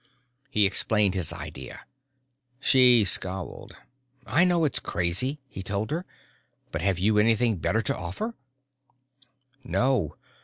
_ He explained his idea. She scowled. "I know it's crazy," he told her, "but have you anything better to offer?" "No.